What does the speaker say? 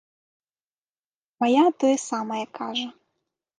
Мая тое самае кажа.